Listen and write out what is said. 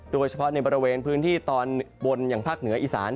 โดยเฉพาะในบริเวณพื้นที่ตอนบนอย่างภาคเหนืออีสาน